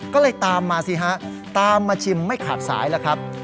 ก็เลยตามมาสิฮะตามมาชิมไม่ขาดสายแล้วครับ